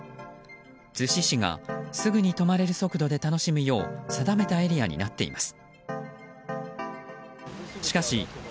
逗子市がすぐに止まれる速度で楽しむよう定めたエリアになっています。